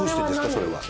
それは。